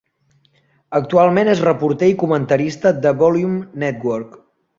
Actualment és reporter i comentarista de Volume Network.